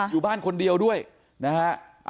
อยู่บ้านคนเดียวด้วยนะฮะ